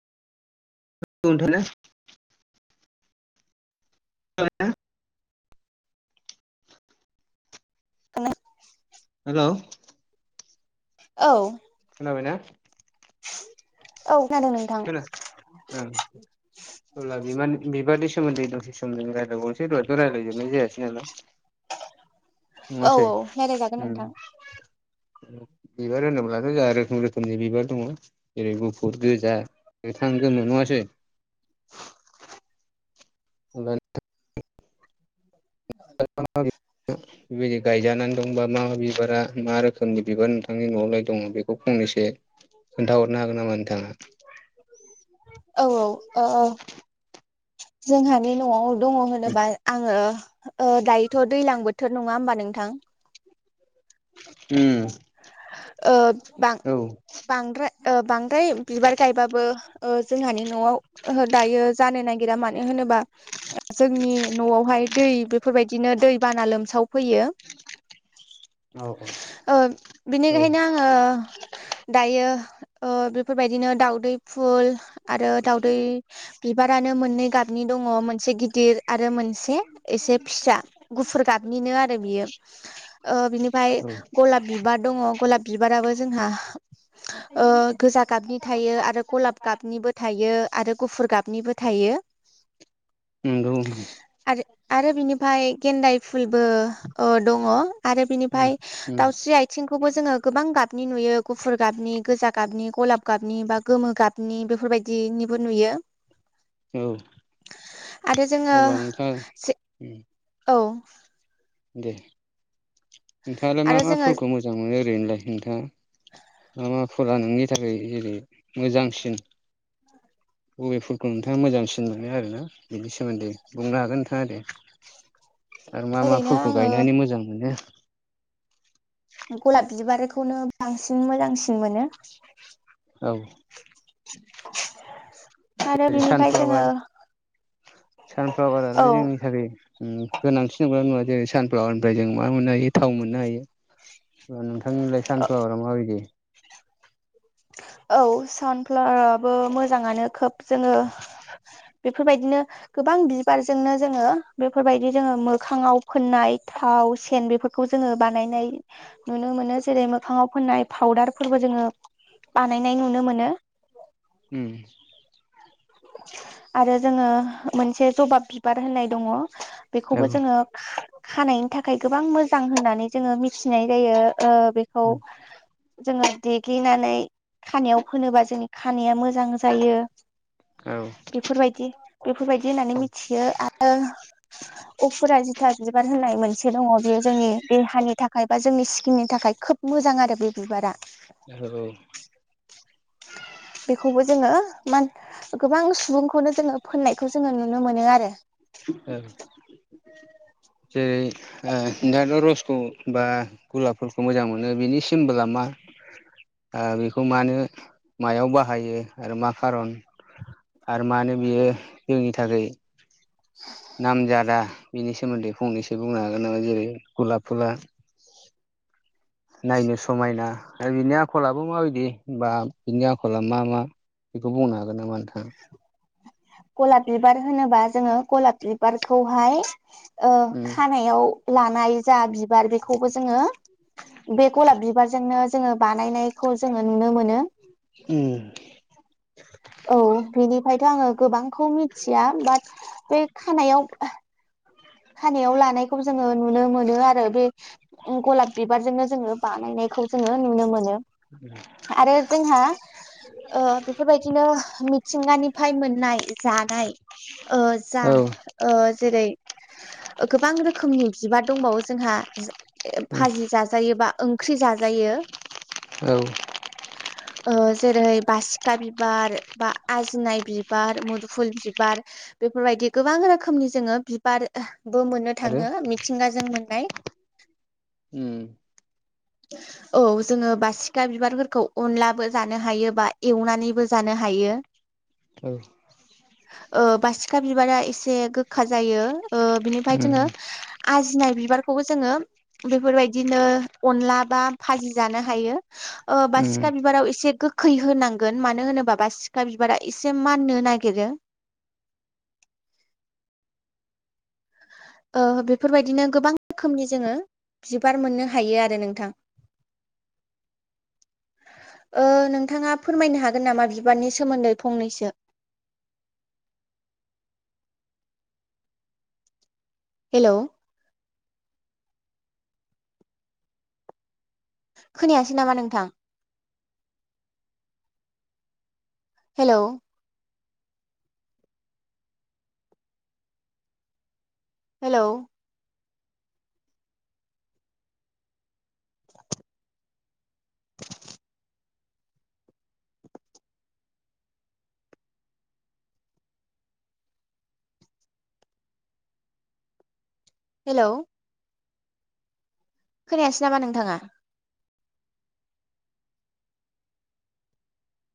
[unintelligible] [unintelligible] [unintelligible] Hello औ खोनाबायना। औ खोनादों नों [unintelligible] ओं अब्ला बिमानि बिबादि सोमोन्दै दसे सम दोङो रायलायबावनोसैय दयथ' रायलाय जोबनाय जायासै नालाय। औ नङासै औ रायलायजागोन उम नोंथां बिबार होनोब्लाथ' जोंहा रोखोम रोखोमनि बिबार दङ। जेरै गुफुर गोजा गोथां गोमो नङासै [unintelligible] गायजानानै दंबा मा मा बिबारा मा रोखोमनि बिबार नोंथांनि न'आवलाय दङ बेखौ फंनैसो खोन्थाहरनो हागोन नामा नोंथाङा? औ औ ओ ओ जोंहानि न'आव दङ होनोबा आङो ओ दायोथ' दैलां बोथोर नङा होमबा नोंथां। उम ओ बां औ बांद्राय ओ बांद्राय बिबार गायबाबो ओ जोंहानि न'आव ओहो दायो जानो नागिरा मानो होनोबा जोंनि न'आवहाय दै बेफोरबायदिनो दै बाना लोमसाव फैयो। औ - औ बेनिखायनो आङो दायो ओ बेफोरबायदिनो दाउदै फुल आरो दाउदै बिबारानो मोननै गाबनि दङ मोनसे गिदिर आरो मोनसे एसे फिसा। गुफुर गाबनिनो आरो बियो ओ बिनिफ्राय औ गलाब बिबार दङ गलाब बिबाराबो जोंहा ओ गोजा गाबनि थायो आरो गलाब गाबनिबो थायो आरो गुफुर गाब निबो थायो। नोंंगौ [unintelligible] आरो - आरो बिनिफ्राय गेन्दाय फुलबो दङ आरो बिनिफ्राय उम दाउ स्रि आथिंखौबो जोङो गोबां गाबनि नुयो गुफुर गाबनि गोजा गाबनि गलाब गाबनि बा गोमो गाब नि बेफोरबायदिनिबो नुयो। औ आरो जोङो अब्ला नोंथां उम औ दे नोंथाङालाय आरो मा-मा जोङो फुलखौ मोज जां मोनो ओरैनोलाय नोंथाङा मा-मा फुला नोंनि थाखाय जेरै मोजांसिन बबे फुलखौ नोंथाङा मोजांसिन मोनो आरोना बिनि सोमोन्दै बुंनो हागोन नोंथाङा दे। आरो मा-मा ओरैनो फुलखौ आङो गायनानै मोजां मोनो गलाब बिबारिखौनो बांसिन मोजांसिन मोनो। औ आरो जेरै बिनिफ्राय जोङो सानफ्लावाराल' औ जोंनि थाखै उम गोनांथि नंगोना नङा जेरै सानफ्लावारनिफ्राय जों मा मोननो हायो थाव मोननो हायो। ओ नोंथांनिलाय सानफ्लावारा माबादि। औ सानफ्लावाराबो मोजाङानो खोब जोङो बेफोरबायदिनो गोबां बिबारजोंनो जोङो बेफोरबायदि जोङो मोखाङाव फोननाय थाव सेन बेफोर खौ जोङो बानायनाय नुनो मोनो जेरै मोखाङाव फोननाय फाउदार फोरबो जोङो बानायनाय नुनो मोनो। उम आरो जोङो मोनसे जबा बिबार होननाय दङ औ बेखौबो जोङो खा-खानायनि थाखाय गोबां मोजां होननानै जोङो मिथिनाय जायो ओ बे खौ जोङो देग्लिनानै खानायाव फोनोबा जोंनि खानाया मोजां जायो। औ बेफोरबायदि-बेफोरबायदि होननानै मिथियो आ [inaudible] उफुरा जिथा बिबार होननाय मोनसे दङ बेयो जोंनि देहानि थाखाय बा जोंनि स्किननि थाखाय खोब मोजां आरो बे बिबारा। औ बेखौबो जोङो मा गोबां सुबुंखौनो जोङो फोननायखौ जोङो नुनो मोनो आरो। ओ जेरै ओ नोंथाङाथ' रसखौ बा गुलाप फुलखौ मोजां मोनो बिनि सिमबोला मा। ओ बेखौ मानो मायाव बाहायो आरो मा खारन आरो मानो बियो जोंनि थाखाय [inaudible] नामजादा बेनि सोमोन्दै फंनैसो बुंनो हागोन नामा जेरै गुलाप फुला नायनो समायना आरो बिनि आखलाबो माबायदि बा बिनि आखला मा-मा बेखौ बुंनो हागोन नामा नोंथाङा? गलाब बिबार होनोबा जोङो गलाब बिबारखौहाय ओ उम खानायाव लानाय जा बिबार बेखौबो जोङो बे गलाब बिबारजोंनो जोङो बानायनायखौ जोङो नुनो मोनो। उम औ बिनिफायथ' आङो गोबांखौ मिथिया बाट बे खानायाव ओ खानायाव लानायखौ जोङो नुनो मोनो आरो बे उ गलाब बिबारजोंनो जोङो बानायनायखौ जोङो नुनो मोनो। उम आरो जोंहा ओ बेफोरबायदिनो मिथिंगानिफाय मोननाय जानाय ओ जा औ ओ जेरै गोबां रोखोमनि बिबार दंबावो जोंहा ए उम फाजि जा जायो बा ओंख्रि जाजायो। औ [inaudible] ओ जेरै बासिखा बिबार बा आजिनाय बिबार मुदफुल बिबार बेफोरबायदि गोबां रोखोमनि जोङो बिबारबो मोननो आरो थाङो मिथिंगाजों मोननाय उम [inaudible] औ जोङो बासिखा बिबारफोरखौ अनलाबो जानो हायो बा एवनानैबो जानो हायो। औ ओ बासिखा बिबारा एसे गोखा जायो ओ बिनिफाय जोङो उम आजिनाय बिबारखौबो जोङो बेफोरबायदिनो अनला बा फाजि जानो हायो। ओ उम बासिखा बिबाराव एसे गो खैहोनांगोन मानो होनोबा बासिखा बिबारा एसे माननो नागिरो। ओ बेफोरबायदिनो गोबां रोखोमनि जोङो बिबार मोननो हायो आरो नोंथां। [inaudible] ओ नोंथाङा फोरमायनो हागोन नामा बिबारनि सोमोन्दै फंनैसो। हेलौ खोनायासै नामा नोंथां? हेलौ हेलौ हेलौ खोनायासै नामा नोंथाङा?